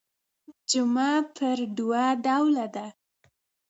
جمعه پر دوه ډوله ده.